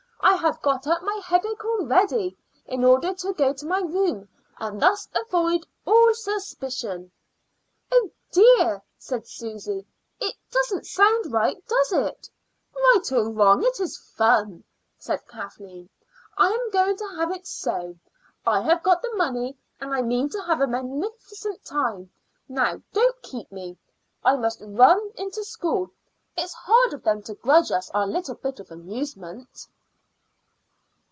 I have got up my headache already, in order to go to my room and thus avoid all suspicion." "Oh dear!" said Susy. "It doesn't sound right, does it?" "Right or wrong, it is fun," said Kathleen. "I am going to have it so. I have got the money, and I mean to have a magnificent time. Now don't keep me; I must run into school. It is horrid of them to grudge us our little bit of amusement."